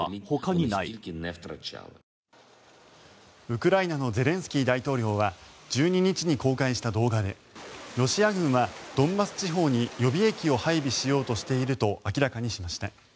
ウクライナのゼレンスキー大統領は１２日に公開した動画でロシア軍はドンバス地方に予備役を配備しようとしていると明らかにしました。